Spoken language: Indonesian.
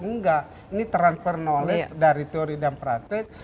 enggak ini transfer knowledge dari teori dan praktek